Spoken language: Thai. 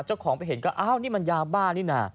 เจ้าของไปเห็นก็อ้าวนี่มันยาบ้านี่น่ะ